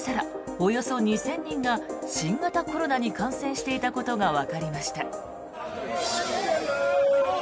およそ２０００人が新型コロナに感染していたことがわかりました。